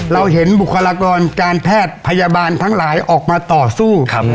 เราเห็นบุคลากรการแพทย์พยาบาลทั้งหลายออกมาต่อสู้